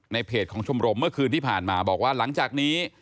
เพจของชมรมเมื่อคืนที่ผ่านมาบอกว่าหลังจากนี้